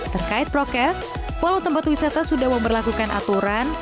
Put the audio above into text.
terkait prokes walau tempat wisata sudah memperlakukan aturan